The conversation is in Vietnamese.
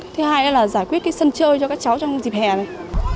thứ hai là giải quyết cái sân chơi cho các cháu trong dịp hè này